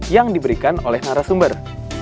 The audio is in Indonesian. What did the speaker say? yang diberikan oleh narasumber